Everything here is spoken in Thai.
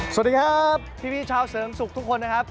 สวัสดีครับพี่ชาวเสริมสุขทุกคนนะครับ